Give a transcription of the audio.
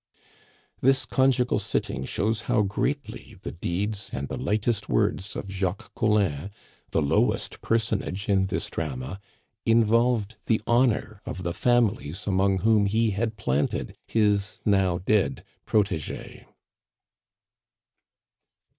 This conjugal sitting shows how greatly the deeds and the lightest words of Jacques Collin, the lowest personage in this drama, involved the honor of the families among whom he had planted his now dead protege.